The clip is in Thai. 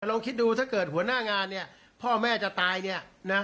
ลองคิดดูถ้าเกิดหัวหน้างานเนี่ยพ่อแม่จะตายเนี่ยนะ